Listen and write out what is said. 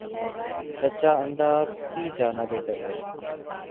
کچا انڈہ پی جانا بہتر ہے